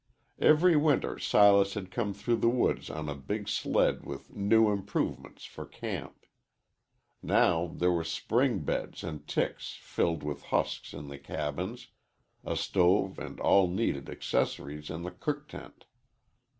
Every winter Silas had come through the woods on a big sled with "new improvements" for camp. Now there were spring beds and ticks filled with husks in the cabins, a stove and all needed accessories in the cook tent.